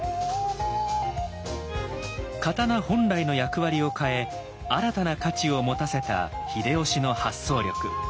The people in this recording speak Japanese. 刀本来の役割を変え新たな価値を持たせた秀吉の発想力。